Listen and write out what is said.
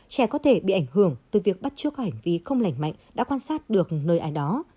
trẻ có thể bị ảnh hưởng từ việc bắt trước các hành vi không lành mạnh đã quan sát được nơi ai đó